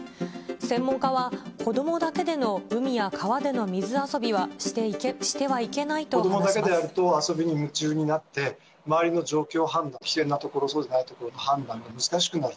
専門家は子どもだけでの海や川での水遊びはしてはいけないと話し子どもだけでやると、遊びに夢中になって、周りの状況判断、危険な所、そうでない所の判断が難しくなる。